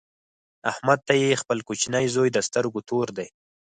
احمد ته یې خپل کوچنۍ زوی د سترګو تور دی.